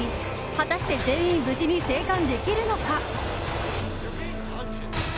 果たして全員無事に生還できるのか？